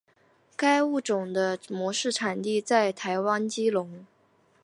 该物种的模式产地在台湾基隆。